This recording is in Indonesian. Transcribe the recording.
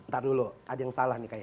ntar dulu ada yang salah nih kayaknya